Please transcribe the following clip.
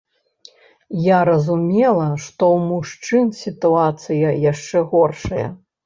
Я разумела, што ў мужчын сітуацыя яшчэ горшая.